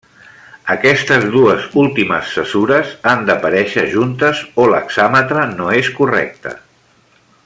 Aquestes dues últimes cesures han d'aparèixer juntes o l'hexàmetre no és correcte.